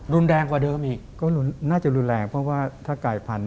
รุนแรงกว่าเดิมอีกก็น่าจะรุนแรงเพราะว่าถ้ากายพันธุ